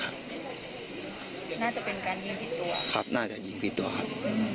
น่าจะเป็นการยิงผิดตัวครับน่าจะยิงผิดตัวครับ